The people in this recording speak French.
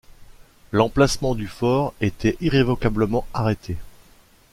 L’emplacement du fort était irrévocablement arrêté.